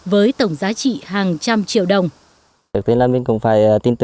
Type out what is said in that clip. với tổng giá trị